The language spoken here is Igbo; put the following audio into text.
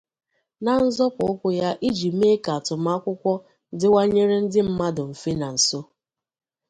Na nzọpụ ụkwụ ya iji mee ka atụmakwụkwọ dịwnyere ndị mmadụ mfe na nso